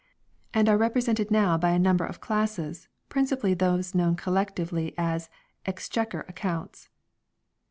and are represented now by a number of classes, princi pally those known collectively as " Exchequer Ac counts